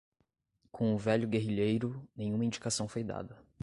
Com o velho guerrilheiro, nenhuma indicação foi dada.